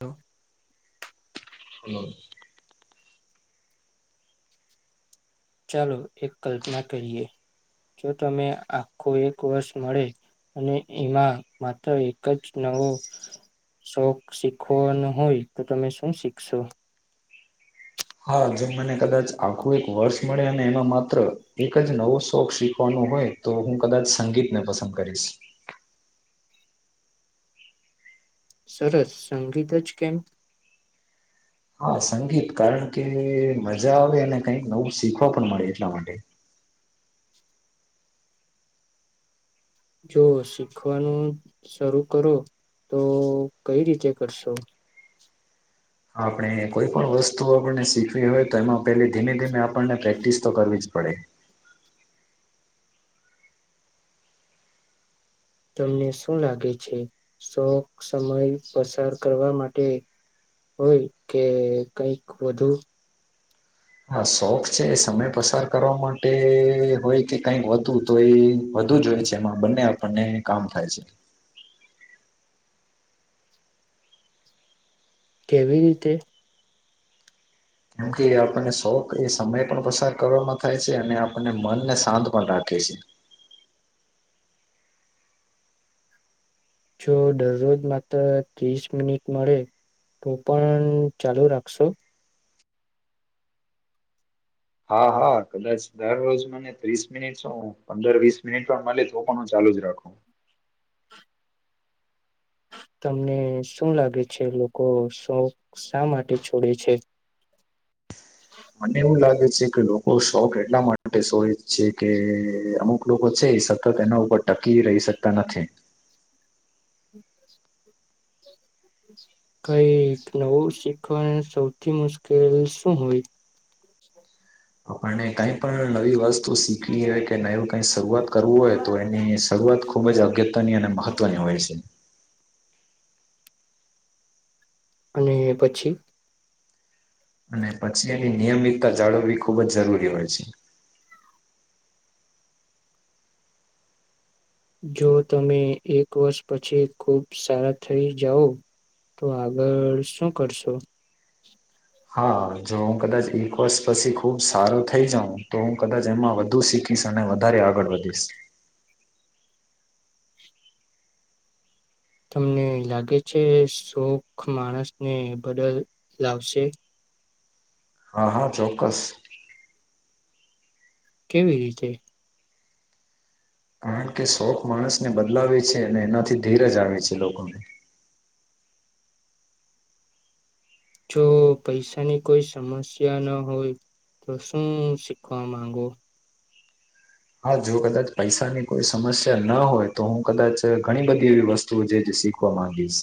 Hello. હાલો. ચાલો એક કલ્પના કરીએ. જો તમે આખો એક વર્ષ મળે અને એમાં માત્ર એક જ નવો શોખ શીખવાનો હોય. તો તમે શું શીખશો? હા જો મને કદાચ આખું એક વર્ષ મળે અને એમાં માત્ર એક જ નવો શોખ શીખવાનો હોય તો હું કદાચ સંગીતને પસંદ કરીશ. સરસ. સંગીત જ કેમ? હા સંગીત કારણ કે મજા આવે અને કઈક નવું શીખવા પણ મળે એટલા માટે. જો શીખવાનું શરૂ કરો તો કઈ રીતે કરશો? આપણે કોઈ પણ વસ્તુ આપણને શીખવી હોય તો એમાં પેલી ધીમે ધીમે આપણને પ્રેક્ટિસ તો કરવી જ પડે. તમને શું લાગે છે? શોખ સમય પસાર કરવા માટે હોય કે કઈક વધુ? હા શોખ છે સમય પસાર કરવા માટે હોય કે કઈક વધુ તો એ વધુ જ હોય છે, એમાં બંને આપણને કામ થાય છે કેવી રીતે? કેમ કે એ આપણને શોખ એ સમય પણ પસાર કરવામાં થાય છે, અને આપણને મનને શાંત પણ રાખે છે, જો દરરોજ માત્ર ત્રીસ મિનિટ મળે તો પણ ચાલુ રાખશો, હા હા કદાચ દરરોજ મને ત્રીસ મિનિટ શ પંદર વીસ મિનિટ પણ મળે તો પણ હું ચાલુ જ રાખું, તમને શું લાગે છે લોકો શોખ શા માટે છોડે છે, મને એવું લાગે છે, કે લોકો શોખ એટલા માટે સોય છે, કે અમુક લોકો છે એ સતત એના ઉપર ટકી રહી શકતા નથી. કઈ નવું શીખવાનું સૌથી મુશ્કેલ શું હોય? આપ આપને કઈ પણ નવી વસ્તુ શીખવી હોય કે નું શરૂઆત કરવું હોય તો એની શઆત ખૂબ જ અગત્યની અને મહત્વની હોય છે, અને પછી અને પછી એની નિયમિતતા જાળવવી ખૂબ જ જરૂરી હોય છે, જો તમે એક વર્ષ પછી ખુબ સારા થઈ જાઓ તો આગળ શું કરશો? હા જો હું કદાચ ઈક્વસ પછી ખુબ સારો થઈ જાઉં, તો હું કદાચ એમાં વધુ શીખીશ અને વધારે આગળ વધીશ. તમને લાગે છે શોખ માણસને બદલ લાવશે? હા હા ચોક્કસ કેવી રીતે? કારણ કે શોખ માણસને બદલાવે છે, અને એનાથી ધીરજ આવે છે લોકોને. જો પૈસાની કોઈ સમસ્યા ન હોય તો શું શીખવા માંગો? હા જો કદાચ પૈસાની કોઈ સમસ્યા ન હોય, તો હું કદાચ ઘણી બધી એવી વસ્તુ તું જે જ શીખવા માંગીશ,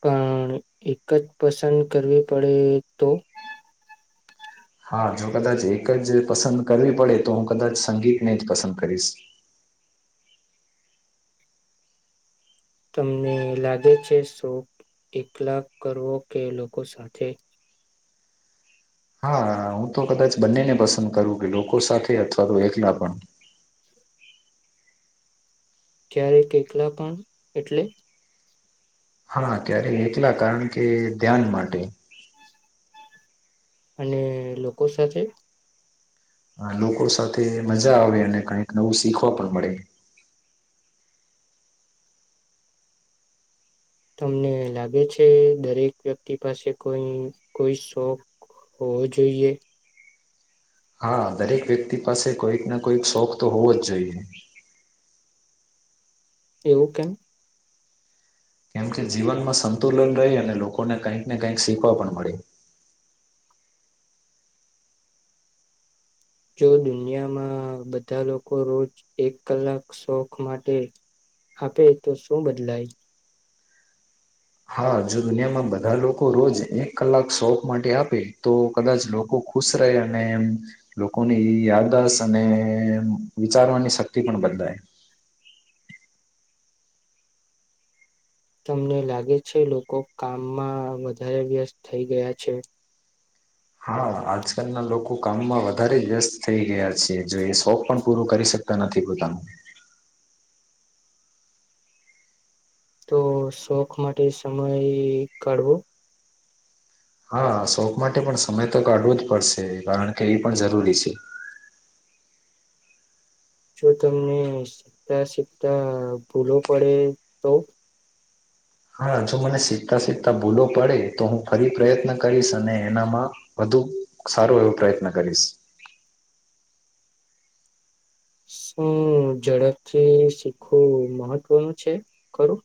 પણ એક જ પસંદ કરવી પડે તો? હા જો કદાચ એક જ પસંદ કરવી પડે તો હું કદાચ સંગીતને જ પસંદ કરીશ, તમને લાગે છે શો એકલા કરવો કે લોકો સાથે? હા હું તો કદાચ બંનેને પસંદ કરું, કે લોકો સાથે અથવા તો એકલા પણ ક્યારે એકલા પણ એટલે હા ક્યારે એકલા કારણ કે ધ્યાન માટે અને લોકો સાથે હા લોકો સાથે મજા આવે અને કઈક નવું શીખવા પણ મળે. તમને લાગે છે દરેક વ્યક્તિ પાસે કોઈ કોઈ શોખ હોવો જોઈએ? હા દરેક વ્યક્તિ પાસે કોઈક ના કોઈક શોખ તો હોવો જ જોઈએ. એવું કેમ? કેમકે જીવનમાં સંતુલન રહી અને લોકોને કંઈક ને કંઈક શીખવા પણ મળે. જો દુનિયામાં બધા લોકો રોજ એક કલાક શોખ માટે આપે તો શું બદલાય? હા જો દુનિયામાં બધા લોકો રોજ એક કલાક શોખ માટે આપે તો કદાચ લોકો ખુશ રહે અને એ લોકોની યાદશ અને વિચારવાની શક્તિ પણ બદલાય. તમને લાગે છે લોકો કામમાં વધારે વ્યસ્ત થઈ ગયા છે? હા આજકાલના લોકો કામમાં વધારે વ્યસ્ત થઈ ગયા છે, જો એ શોખ પણ પૂરો કરી શકતા નથી પોતાનું તો શોખ માટે સમય કાઢવો હા શોખ માટે પણ સમય તો કાઢવો જ પડશે કારણ કે એ પણ જરૂરી છે. જો તમને શીખતા શીખતા ભૂલો પડે તો? હા જો મને શીખતા સીખતા ભૂલો પડે તો હું ફરી પ્રયત્ન કરીશ અને એનામાં વધુ સારો એવો પ્રયત્ન કરીશ. શું ઝડપથી શીખવું મહત્વનું છે ખરું?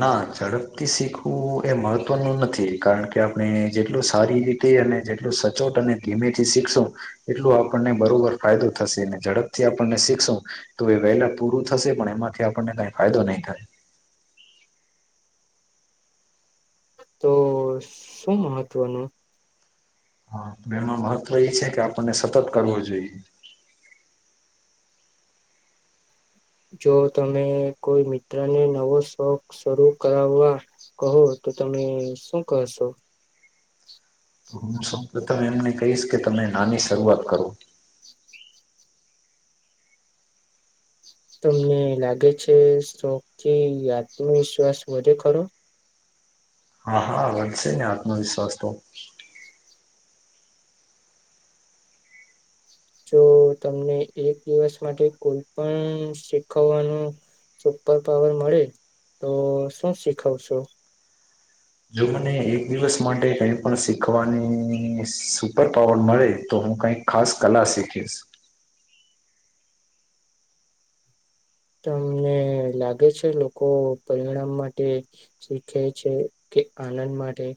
ના ઝડપથી શીખવું એ મહત્વનું નથી કારણ કે આપણે જેટલું સારી રીતે અને જેટલું સચોટ અને ધીમેથી શીખશું એટલું આપણને બરોબર ફાયદો થશે અને ઝડપથી આપણને શીખશું તો એ વહેલા પૂરું થશે પણ એમાંથી આપણને કંઈ ફાયદો નહીં થાય. તો શું મહત્વનું? હા તો એમાં મહત્વ એ છે કે આપણને સતત કરવું જોઈએ જો તમે કોઈ મિત્રને નવો શોખ શરૂ કરાવવા કહો તો તમે શું કરશો? તો હું સ તમે એમને કહીશ કે તમે નાની શરૂઆત કરો. તમને લાગે છે શોખથી આત્મવિશ્વાસ વધે ખરો? હા હા વધશે ને આત્મવિશ્વાસ તો. જો તમને એક દિવસ માટે કોઈ પણ શીખવવાનું સુપર પાવર મળે તો શું શીખવશો? જો મને એક દિવસ માટે કઈ પણ શીખવાની સુપર પાવર મળે તો હું કઈક ખાસ કલા શીખીશ. તમને લાગે છે લોકો પરિણામ માટે શીખે છે કે આનંદ માટે?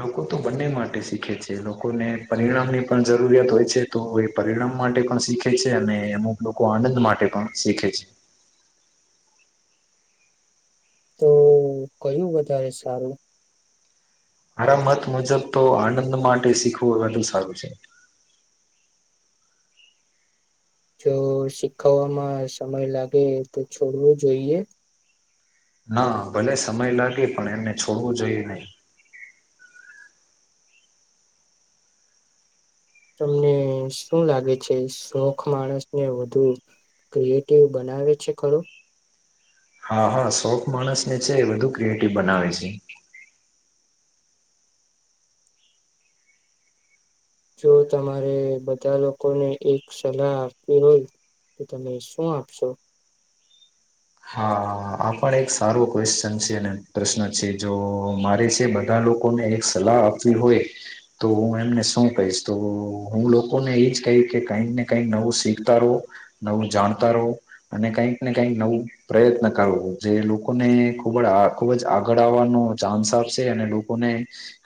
લોકો તો બંને માટે શીખે છે લોકોને પરિણામની પણ જરૂરિયાત હોય છે તો એ પરિણામ માટે પણ શીખે છે અને અમુક લોકો આનંદ માટે પણ શીખે છે. તો કયું વધારે સારું? મારા મત મુજબ તો આનંદ માટે શીખવું વધુ સારું છે. જો શીખવવામાં સમય લાગે તો છોડવો જોઈએ? ના ભલે સમય લાગે પણ એમને છોડવું જોઈએ નહી. તમને શું લાગે છે શોખ માણસને વધુ ક્રિએટિવ બનાવે છે ખરું? હા હા શોખ માણસ ને છે વધધુ ક્રિએટિવ બનાવે છે. જો તમારે બધા લોકોને એક સલાહ આપવી હોય તો તમે શું આપશો? હા આ પણ એક સારો ક્વેશ્ચન છે અને પ્રશ્ન છે જો મારે જે બધા લોકોને એક સલાહ આપવી હોય તો હું એમને શું કહીશ તો હું લોકોને એજ કહીશ કે કઈક ને કઈક નવું શીખતા રહો નવું જાણતા રહો અને કઈક ને કઈક નવું પ્રયત્ન કરવો જે લોકોને ખૂબ જ આ ખૂબ જ આગળ આવવાનો ચાન્સ આપશે અને લોકોને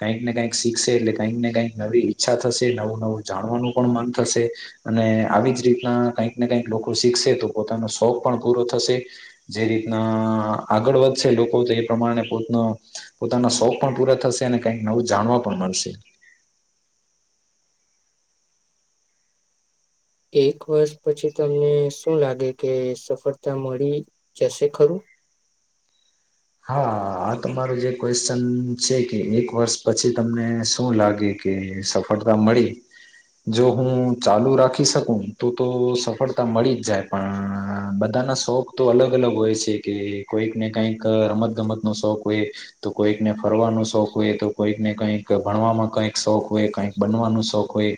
કંઈક ને કઈક શીખશે એટલે કંઈક ને કંઈક નવી ઈચ્છા થશે નવું નવું જાણવાનું પણ મન થશે અને આવી જ રીતના કંઈક ને કંઈક લોકો શીખશે તો પોતાનો શોખ પણ પૂરો થશે જે રીતના આગળ વધશે લોકો તો એ પ્રમાણે પોતનો પોતાના શોખ પણ પૂરા થશે અને કઈક નવું જાણવા પણ મળશે એક વર્ષ પછી તમને શું લાગે કે સફળતા મળી જશે ખરું? હા આ તમારો જે ક્વેશ્ચન છે કે એક વર્ષ પછી તમને શું લાગે કે સફળતા મળી. જો હું ચાલુ રાખી શકું તો તો સફળતા મળી જ જાય પણ બધાના શોખ તો અલગ અલગ હોય છે કે કોઈક ને કઈક [unintelligible] રમત ગમત ન શોખ હોય તો કોઈકને ફરવાનો શોખ હોય તો કોઈકને કઈક ભણવામાં કઈક શોખ હોય કઈક બનવાનો શોખ હોય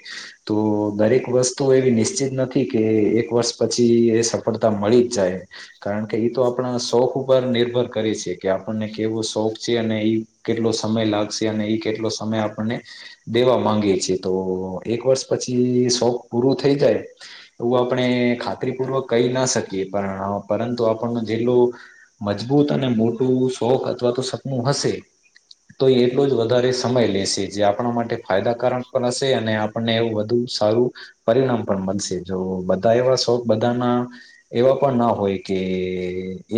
તો દરેક વસ્તુ એવી નિશ્ચિત નથી કે એક વર્ષ પછી એ સફળતા મળી જ જાય કારણ કે એ તો આપણા શોખ ઉપર નિર્ભર કરે છે કે આપણને કેવો શોખ છે અને એ કેટલો સમય લાગશે અને ઈ કેટલો સમય આપણને દેવા માંગી છે તો એક વર્ષ પછી શોખ પૂરું થઈ જાય એવું આપણે ખાતરી પૂર્વક કહી ના શકીએ પણ પરંતુ આપણ જેટલો મજબ અજબૂત અને મોટું શોખ અથવા તો સપનું હશે તો એટલો જ વધારે સમય લેશે જે આપણા માટે ફાયદાકારક પણ હશે અને આપણને એવું વધુ સારું પરિણામ પણ મળશે જો બધા એવા શોખ બધાના એવા પણ ના હોય કે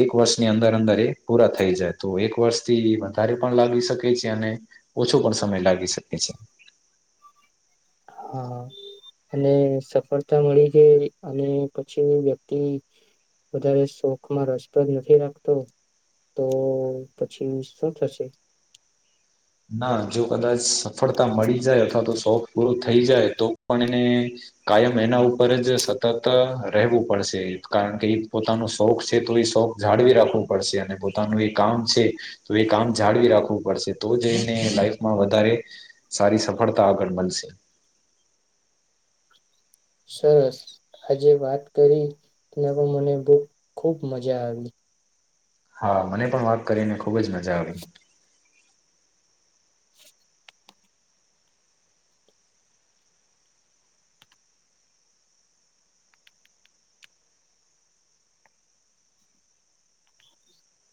એક વર્ષની અંદર [unintelligible] પૂરા થઈ જાય તો એક વર્ષ થી વધારે પણ લાગી શકે છે અને ઓછો પણ સમય લાગી શકે છે. હા અને સફળતા મળી જાય અને પછી વ્યક્તિ વધારે શોખમાં રસપ્રદ નથી રાખતો તો પછી શું થશે? ના જો કદાચ સફળતા મળી જાય અથવા તો શોખ પૂરો થઈ જાય તો પણ એને કાયમ એના ઉપર જ સતત રહેવું પડશે કારણ કે એ પોતાનો શોખ છે તો એ શોખ જાળવી રાખવું પડશે અને પોતાનું એ કામ છે તો એ કામ જાળવી રાખવું પડશે. તો જઈને લાઈફમાં વધારે સારી સફળતા આગળ મળશે. સરસ આજે વાત કરીને તો મને બ ખુબ મજા આવી. હા મને પણ વાત કરીને ખુબ જ મજા આવી.